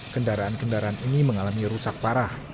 kendaraan kendaraan ini mengalami rusak parah